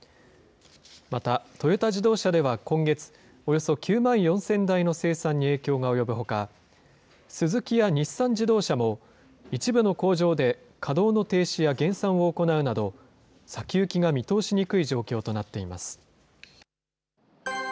また、トヨタ自動車では今月、およそ９万４０００台の生産に影響が及ぶほか、スズキや日産自動車も、一部の工場で、稼働の停止や減産を行うなど、先行きが見通しにくい状況となっています。